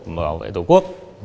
bảo vệ tổ quốc